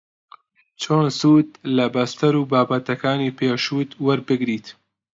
چۆن سوود لە بەستەر و بابەتەکانی پێشووت وەربگریت